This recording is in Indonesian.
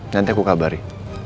nanti aku kabari